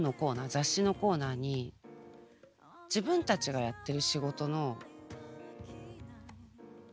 雑誌のコーナーに自分たちがやってる仕事の気配すらなかったの。